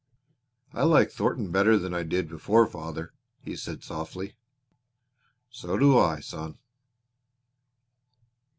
"I like Thornton better than I did before father," he said softly. "So do I, son!"